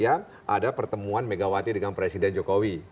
dan juga ada pertemuan dengan megawati dengan presiden jokowi